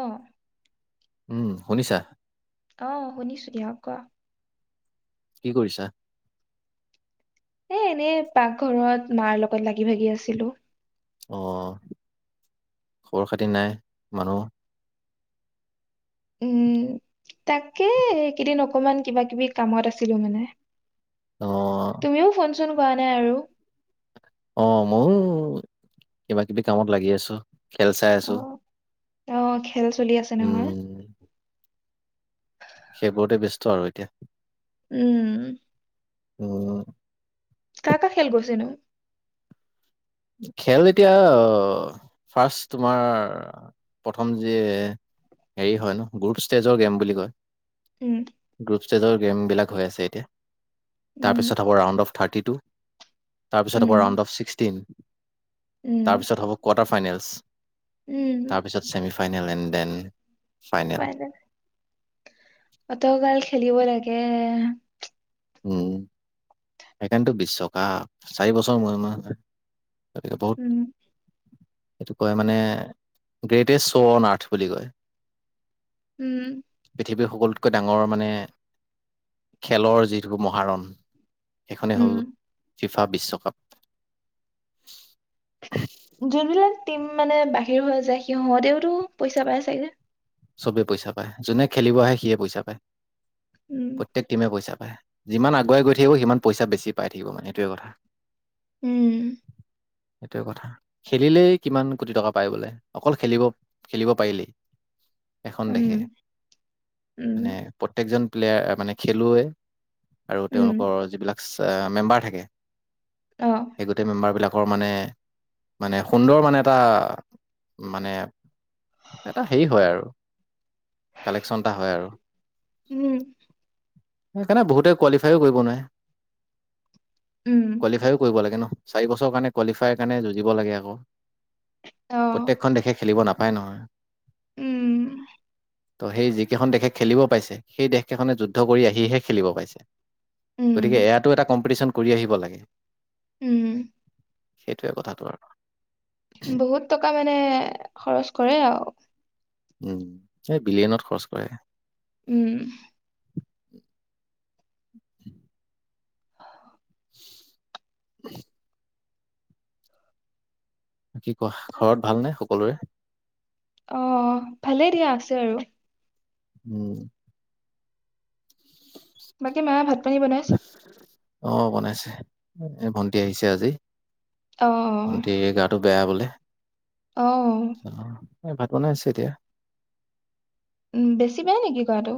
অ'। উম শুনিছা। আহ শুনিছো দিয়ক কোৱা। কি কৰিছা। এ এনেই পাকঘৰত মাৰ লগত লাগি ভাগি আছিলো। অ' খবৰ খাতি নাই মানুহ উম তাকে এইকেইদিন অকমান কিবা কিবি কামত আছিলো মানে অ', তুমিও ফোন চোন কৰা নাই আৰু অ' ময়ো কিবা কিবি কামত লাগি আছো খেল চাই আছো অ অ' খেল চলি আছে নহয় উম, সেইবোৰতে ব্যস্ত আৰু এতিয়া উম উম কাৰ কাৰ খেল গৈছে নো খেল এতিয়া ফাৰ্ষ্ট তোমাৰ প্ৰথম যে হেৰি হয় ন গ্ৰুপ ষ্টেজৰ গেম বুলি কয় উম গ্ৰুপ ষ্টেজ [unintelligible] গেম বিলাক হৈ আছে এতিয়া উম তাৰপিছত হ'ব ৰাউণ্ড অফ থাৰ্টি টু তাৰপিছত উম আকৌ ৰাউণ্ড অফ ছিক্সটিন উম তাৰপিছত হ'ব কোৱাৰ্টাৰ ফাইনেলছ উম তাৰপিছত semi final and then final অত গাল খেলিব লাগে উম সেইকাৰণেতো বিশ্ব কাপ চাৰি বছৰৰ মূৰে মূৰে হয় উম সেইটো কয় মানে গ্ৰেটেষ্ট শ্ব' অন আৰ্থ বুলি কয় উম পৃথিৱীৰ সকলোতকৈ ডাঙৰ মানে খেলৰ যি [unintelligible] মহাৰণ এখনে উম হ'ল ফিফা বিশ্বকাপ। টীম মানে বাহিৰ হৈ যায় সিহঁতেওটো পইচা পায় চাগে। চবেই পইচা পায়, যোনে খেলিব আহে সিয়ে পইচা পায়। উম প্ৰত্যেক টিমে পইচা পায়, যিমান আগুৱাই গৈ থাকিব সিমান পইচা বেছি পাই থাকিব মানে এইটোৱে কথা। উম। সেইটোৱে কথা, খেলিলেই কিমান কোটি টকা পায় বোলে অকল খেলিব খেলিব পাৰিলেই। এখন দেশে, উম মানে প্ৰত্যেকজন প্লেয়াৰ মানে খেলুৱৈ আৰু তেওঁলোকৰ যিবিলাক অ', মেম্বাৰ থাকে। সেই গোটেই মেম্বাৰ বিলাক ৰ মানে মানে সুন্দৰ মানে এটা মানে এটা হে হয় আৰু। কালেকচন এটা হয় আৰু। সেইকাৰণে বহুতে কোৱালিফাইয়ো কৰিব নোৱাৰে। কোৱালিফাইও কৰিব লাগে ন। চাৰি বছৰ কাৰণে কোৱালিফাইৰ কাৰণে যুঁজিব লাগে আকৌ। প্ৰত্যেকখন দেশে খেলিব নাপ হয়, নহয়। ত সেই যিকেইখন দেশে খেলিব পাইছে, সেই দেশকেইখনে যুদ্ধ কৰি আহিহে খেলিব পাইছে। গতিকে এয়াতো এটা কম্পিটিচন কৰি আহিব লাগে। উম। সেইটোৱে কথাটো আৰু। বহুত টকা মানে খৰচ কৰে আৰু উম, এই বিলিয়নত খৰচ কৰে। উম [inaudible] [inaudible] [inaudible] [inaudible] কি কোৱা, ঘৰত ভালনে সকলোৰে? অ' ভালে দিয়া, আছে আৰু। উম। বাকী মায়ে ভাত পানী বনাইছে। অ' বনাইছে, ভণ্টি আহিছে আজি। অ' অ'। ভন্টিৰ গাটো বেয়া বোলে। অ'। [unintelligible] ভাত বনাই আছে এতিয়া উম বেছি বেয়া নেকি গাটো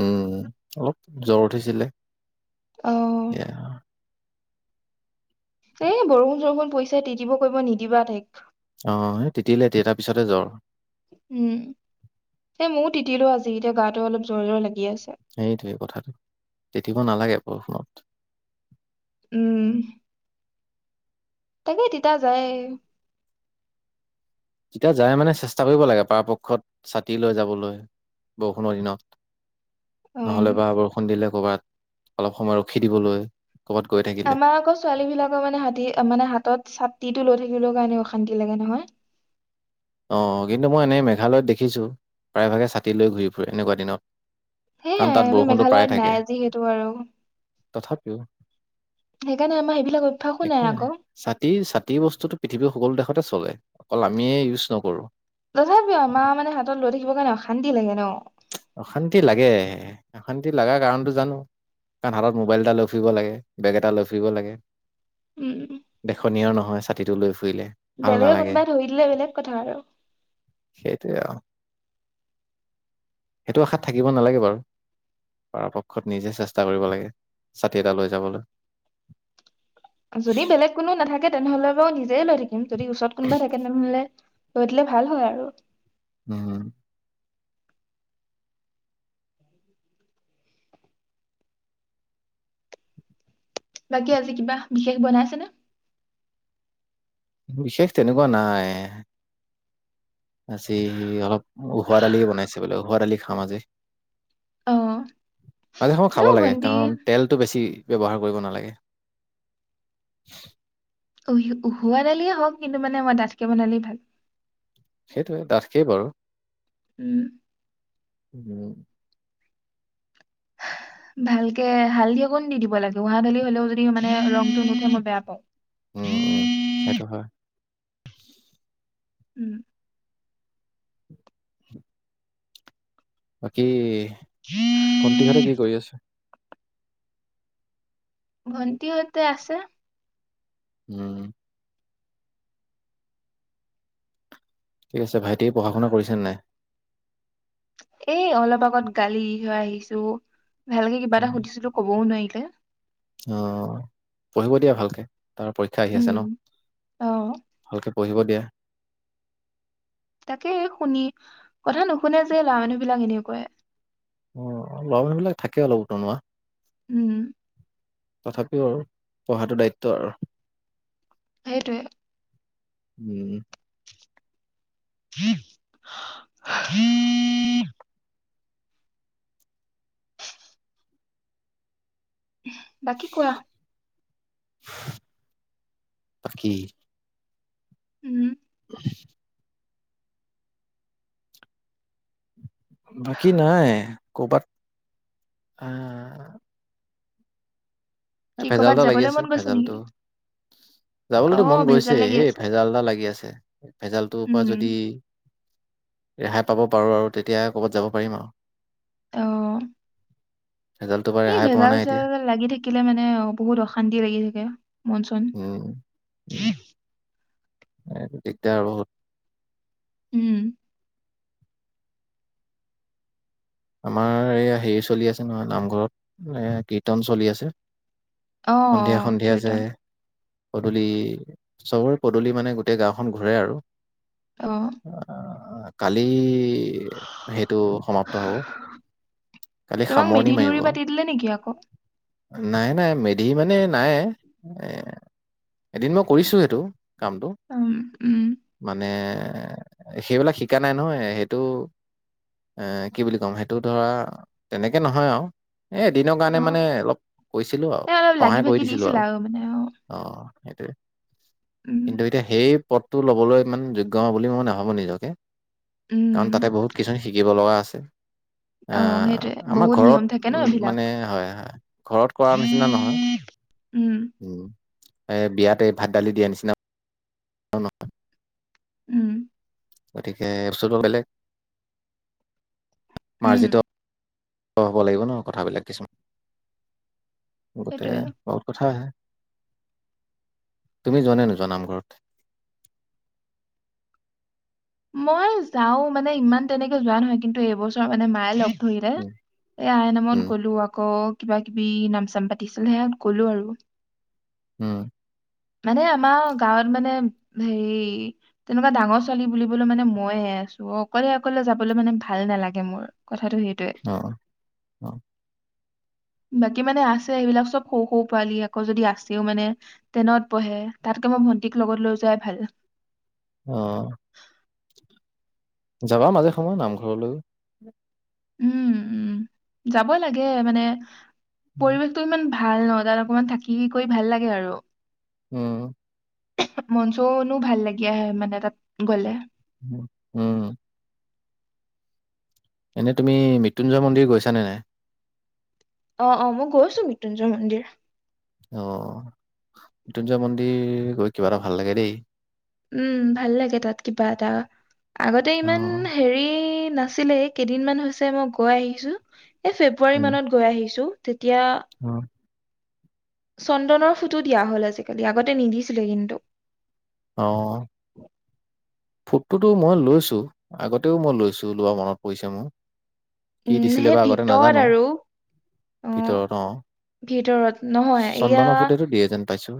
উম অলপ জ্বৰ উঠিছিলে অ' এতিয়া এ বৰষুণ চৰষুণ পৰিছে তিতিব কৰিব নিদিবা তাইক অ' সেই তিতিলে তিতাৰ পিছতে জ্বৰ উম সেই ময়ো তিতিলো আজি এতিয়া গাটো অলপ জ্বৰ জ্বৰ লাগি- আছে সেইটোৱে কথাটো। দিব নালাগে বৰষুণত উম তাকে তিতা যায়। তিতা যায় মানে চেষ্টা কৰিব লাগে পৰাপক্ষত ছাতি লৈ যাবলৈ বৰষুণৰ দিনত। উম নহলে বা বৰষুণ দিলে। কৰ'বাত অলপ সময় ৰখি দিবলৈ। ক'ৰবাত গৈ থাকিলে। আমাৰ আকৌ ছোৱালী বিলাকৰ মানে হাতী মানে হাতত ছাতি। ছাতিটো লৈ থাকিলেও কাৰণে অশান্তি লাগে নহয়। অ' কিন্তু মই এনেই মেঘালয়ত দেখিছোঁ প্ৰায়ভাগে ছাতি লৈ ঘূৰি ফুৰে এনেকুৱা দিনত। সেই কাৰণ তাত আমি বৰষুণটো প্ৰায় মেঘালয়ত থাকে। নাই যিহেতো আৰু। তথাপিও সেইকাৰণে আমাৰ সেইবিলাক অভ্যাসো একো নাই আকৌ। ছাতি ছাতিৰ বস্তুতো পৃথিৱীৰ সকলো দেশতে। চলে অকল আমিয়ে ইউজ নকৰোঁ। তথাপিও আমাৰ মানে হাতত লৈ থাকিব কাৰণে অশা অশান্তি লাগে ন। অশান্তি লাগে, অশান্তি লাগা কাৰণটো জানো কাৰণ হাতত মোবাইল এটা লৈ ফুৰিব লাগে, বেগ এটা লৈ ফুৰিব লাগে। উম। দেখনীয় নহ হয় ছাতিটো লৈ ফুৰিলে ভাল বেলেগে নালাগে কোনোবাই ধৰি দিলে বেলেগ কথা আৰু। সেইটোৱে আৰু সেইটো আশাত থাকিব নালাগে বাৰু, পৰাপক্ষত নিজে চেষ্টা কৰিব লাগে ছাতি এটা লৈ যাবলৈ। যদি বেলেগ কোনো নাথাকে তেনেহ'লে মই নিজে লৈ থাকি কিম যদি ওচৰত কোনোবা তেনেহ'লে গৈ দিলে ভাল হয় আৰু। উম। বাকী আজি কিবা বিশেষ বনাইছেনে? বিশেষ তেনেকুৱা নাই। আজি অলপ ওহোৱা দালি বনাইছে বোলে, ওহোৱা দালি খাম আজি। অ মাজে সময়ে খাব ন লাগে ভন্টি কাৰণ তেলটো বেছি ব্যৱহাৰ কৰিব নালাগে। ওহি-ওহোৱা দালিয়ে হওঁক কিন্তু মানে মই দাঠকে বনালেই ভাল সেইটোৱে দাঠকেই বাৰু। উম। উম। ভালকে হালধি অকণ দি দিব লাগে ওহা দালি হ'লেও যদি মানে ৰংটো নুঠে মই বেয়া পাওঁ। উম, উম, সেইটো হয়। [inaudible] উম। বাকী ভন্টিহ'তে কি কৰি আছে? ভণ্টিহ'তে আছে। উম। ঠিক আছে, ভাইটি পঢ়া-শুনা কৰিছে নাই? এ অলপ আগত গালি খায় আহিছোঁ। ভালকে কিবা এটা উম, সুধিছিলো ক'বও নোৱাৰিলে। অ পঢ়িব দিয়া ভালকে। তাৰ পৰীক্ষা আহি আছে ন, উম অ ভালকে পঢ়িব দিয়া। তাকে শুনি কথা নুশুনে যে ল'ৰা মানুহবিলাক এনেকুৱাই। অ', ল'ৰা মানুহবিলাক থাকে অলপ উতনুৱা। উম। তথাপিও পঢ়াটো দায়িত্ব আৰু। সেইটোৱে। উম উম উম [unintelligible] বাকী কোৱা? বাকি উম ব [unintelligible] বাকী নাই কৰ'বাত আহ। এ কি ভেজাল কৰ'বাত এটা লাগি যাবলৈ আছে মন গৈছে নেকি ভেজালটো অ যাবলৈতো মন গৈছে ভেজাল লাগি হেই আছে ভেজাল এটা লাগি আছে ভেজালটোৰ পৰা উম যদি ৰেহাই পাব পাৰোঁ আৰু তেতিয়া ক'ৰবাত যাব পাৰিম আৰু তো। ভেজালটোৰ পৰা এই ৰেহাই পোৱা ভেজাল নাই - এতিয়া চেজাল লাগি থাকিলে মানে নে বহুত অশান্তি লাগি থাকে। মন চন উম এই দিগদাৰ বহুত। উম। আমাৰ এই হেৰি চলি আছে নহয় নামঘৰত এ কীৰ্তন চলি আছে। অহ সন্ধিয়া সন্ধিয়া যে কীৰ্তন। পদূলি চবৰে পদূলি মানে গোটেই গাওখন ঘূৰে আৰু। অ অ', কালি সেইটো সমাপ্ কালি তোমাক সামৰণি মেধি মাৰিব, দেউৰী পাতি দিলে নেকি আকৌ নাই, নাই মেধ ধি মানে নাই এ এদিন মই কৰিছোঁ সেইটো। কামটো উম উম মানে এ সেইবিলাক শিকা নাই নহয়, সেইটো এ কি বুলি কম সেই এইটো ধৰা তেনেকে নহয় আৰু। এ দিনৰ কাৰণে অ মানে অলপ কৈছিলোঁ আৰু এই অলপ লাগি সহায় কৰি ভাগি দিছিলো দিছিলা আৰু মানে অ অ'। সেইটোৱে। উম কিন্তু এতিয়া সেই পদটো ল'বলৈ ইমান যোগ্য হ বুলি মই নাভাবো নিজকে। উম কাৰণ তাতে বহুত কিছুমান শিকিব লগা আছে। অ অহ, সেইটোৱে আমাৰ বহুত নিয়ম ঘৰত থাকে ন উম, এইবিলাক মানে হয়, হয় ঘৰত কৰাৰ নিচিনা নহয়, উম উম। এ বিয়াতে ভাত, দালি দিয়া নিচিনা [unintelligible] উম। গতিকে বস্তুটো বেলেগ। উম মাৰ্জিত হ'ব লাগিব ন কথাবিলাক কিছুমান। গোটেই সেইটোৱে বহুত কথা আহে। তুমি যোৱা নে নোযোৱা নামঘৰত। মই যাওঁ মানে ইমান তেনেকে যোৱা নহয় কিন্তু এইবছৰ মানে মায়ে লগ ধৰিলে উম এই আই নামত উম গ'লো আকৌ কিবা কিবি নাম চাম পাতিছিল সে গ'লো আৰু। উম মানে আমাৰ গাঁৱত মানে হেৰি তেনেকুৱা ডাঙৰ ছোৱালী। বুলিবলৈ মানে মইে আছোঁ অকলে অকলে যাবলৈ মানে ভাল নালাগে মোৰ। কথাটো সেইটোৱে অ অ বাকী মানে আছে সেইবিলাক চব সৰু সৰু পোৱালি আকৌ যদি আছেও মানে ট্ৰেইনত বহে তাতকে মই ভন্টিক লগত লৈ যোৱাই ভাল। অ যাবা মাজে সময় নামঘৰলৈও উম উম যাবই লাগে মানে উম পৰিৱেশটো ইমান ভাল ন তাত অকমান থাকি কৰি ভাল লাগে আৰু উম মন চনো ভাল লাগি আহে মানে তাত গ'লে। উম এনে তুমি মৃত্যুঞ্জয় মন্দিৰ গৈছানে নাই। অ অ মই গৈছো মৃত্যুঞ্জয় মন্দিৰ অ', মৃত্যুঞ্জয় মন্দিৰ গৈ কিবা এটা ভাল লাগে দেই। উম, ভাল লাগে তাত কিবা এটা। আগতে অ ইমান হেৰি নাছিলে কেইদিনমান হৈছে মই গৈ আহিছো। এ ফেব্ৰুৱাৰী উম মানত গৈ আহিছো। তিয়া অ চন্দনৰ ফুটো দিয়া হ'ল আজিকালি আগতে নিদিছিলে কিন্তু। অ', ফুটটোতো মই লৈছোঁ, আগতেও মই লৈছো লোৱা মনত পৰিছে মোৰ। কি উম, দিছিলে সেই বা আগতে ভিতৰত নাজানো আৰু উম, ভিতৰত অ ভিতৰত নহয় চন্দনৰ এয়া ফুটেটো দিয়ে যেন পাইছো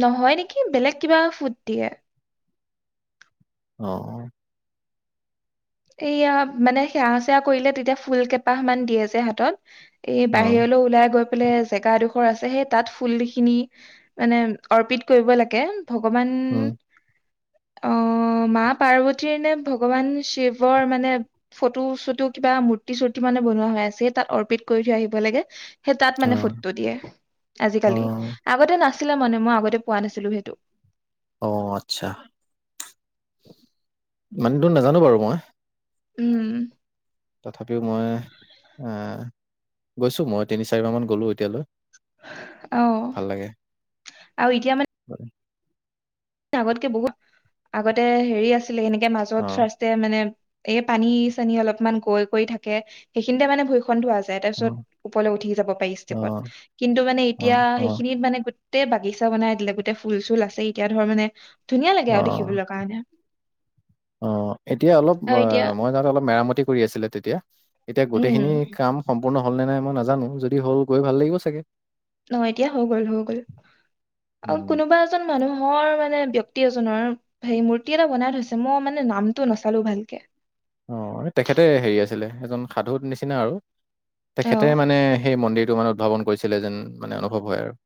নহয় নেকি বেলেগ কিবা ফুট দিয়ে। অ'। এইয়া মানে সেৱা চেৱা কৰিলে তেতিয়া ফুল কেইপাহ মান দিয়ে যে হাতত। এই অ বাহিৰলৈ ওলাই গৈ বোলে জেগাডোখৰ আছে সেই তাত ফুলখিনি মানে অৰ্পিত কৰিব লাগে। ভগৱান উম অ', মা পাৰ্বতীৰ নে ভগৱান শিৱ ৱৰ মানে ফটো চটো কিবা মূৰ্তি চূৰ্তি মানে বনোৱা হয় আছে তাত অৰ্পিত কৰি থৈ আহিব লাগে। সেই তাত অ মানে ফুটটো দিয়ে অ আজিকালি, আগতে নাছ ছিল মানে মই আগতে পোৱা নাছিলো সেইটো অ আচ্ছা মানে তোৰ নাজানো বাৰু মই উম তথাপিও মই গৈছোঁ মই তিনি চাৰিমাহমান গ'লোঁ এতিয়ালৈ আহ আৰু এতিয়া হয় আগতকে বহুত আগতে হেৰি আছে এেনেকে অ মাজত ফাৰ্ষ মানে এই পানী চানী অলপমান কৈ কৰি থাকে সেইখিনিতে মানে ভ খ ধোৱা যায় অ তাৰপিছত ওপৰলৈ উঠি যাব পাৰি অ ষ্টেপত কিন্তু মানে অ এতিয়া সেইখিনিত মানে গোতে বাগিচানাই দিলে গোট ফুল চুল আছে এতিয়া ধৰ মানে, ধুনীয়া লাগে অ আৰু দেখিবলৈ কাৰণে অ এতিয়া অলপ আৰু এতিয়া আহ মই যাওঁতে অলপ মেৰামতি, কৰি আছিলে তেতিয়া। এতিয়া উম গোটেইখিনি কাম, সম্পূৰ্ণ হ'ল নে নাই মই নাজানো যদি হল গৈ ভাল লাগিব চাগে। ন এতিয়া হৈ গ'ল হৈ গ'ল আৰু উম কোনোবা এজন মানুহৰ মানে, ব্য্ক্তি এজনৰ হে মূৰ্তি এটা বনাই থৈছে মই মানে নামটো নচালো ভালকে, অ তেখেতে হেৰি আছিলে এজন সাধু নিচিনা আৰু অ তেখেতে মানে সেই মন্দিৰ মানে উদ্ভাৱন কৰিছিলে যেন মানে অনুভৱ হয় আৰু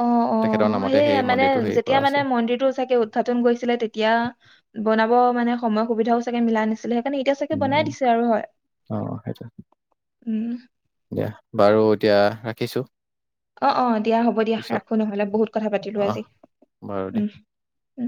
অ অ তেখেতৰ নামতে সেই মানে মন্দিৰটো হেৰি কৰা যেতিয়া মানে আছে। মন্দিৰটো চাগে উদঘাটন গৈছিলে তেতিয়া বনাব মানে, সময় সুবিধাও চাগে না। অ সেইটো উম দিয়া বাৰু এতিয়া দেখিছোঁ। অ অ দিয়া হ'ব দিয়া ৰাখো নহলে বহুত কথা পাতিলো অহ, আজি বাৰু দিয়া। উ!